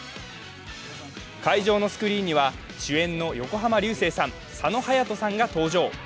会場のスクリーンには、主演の横浜流星さん、佐野勇斗さんが登場。